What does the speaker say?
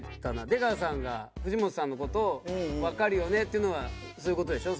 出川さんが藤本さんの事を「わかるよね」っていうのはそういう事でしょ？